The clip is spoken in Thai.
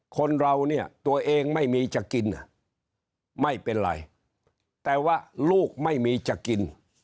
คนเราเนี่ยตัวเองไม่มีจะกินไม่เป็นไรแต่ว่าลูกไม่มีจะกิน